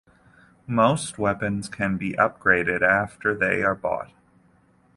Most weapons can be upgraded after they are bought.